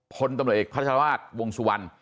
พลตำรวจเอกพระธรวาสวงศ์สุวรรณ